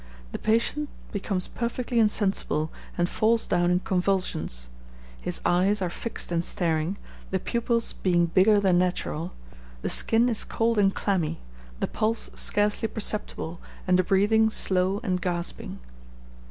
The patient becomes perfectly insensible, and falls down in convulsions his eyes are fixed and staring, the pupils being bigger than natural, the skin is cold and clammy, the pulse scarcely perceptible, and the breathing slow and gasping.